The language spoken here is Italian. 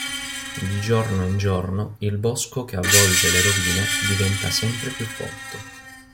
Di giorno in giorno il bosco che avvolge le rovine diventa sempre più folto.